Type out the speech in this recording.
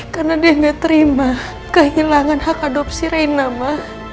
karena dia gak terima kehilangan hak adopsi reina ma